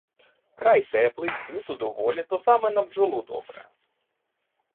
Край теплий, цвіту доволі — то саме на бджолу добре.